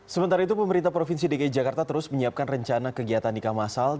sementara itu pemerintah provinsi dki jakarta terus menyiapkan rencana kegiatan nikah masal